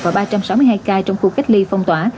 và ba trăm sáu mươi hai ca trong khu cách ly phong tỏa